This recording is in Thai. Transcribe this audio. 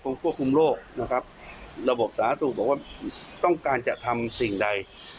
ควบคุมโรคนะครับระบบสาธารณสุขบอกว่าต้องการจะทำสิ่งใด